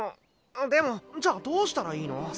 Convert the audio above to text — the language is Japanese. んでもじゃあどうしたらいいの？